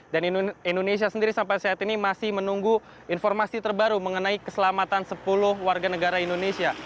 dan indonesia sendiri sampai saat ini masih menunggu informasi terbaru mengenai keselamatan sepuluh warga negara indonesia